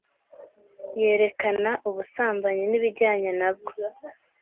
yerekana ubusambanyi n'ibijyanye nabwo,